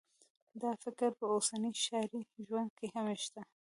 دا فکر په اوسني ښاري ژوند کې هم شته